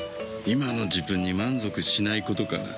今の自分に満足しないことかな。